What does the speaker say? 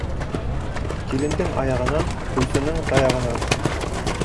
Килендең аяғынан, ҡуйсының таяғынан.